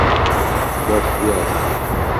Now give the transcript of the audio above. Bob Uels